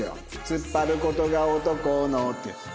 「つっぱることが男の」ってやつ。